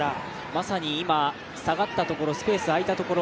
まさに今、下がったところスペース空いたところ。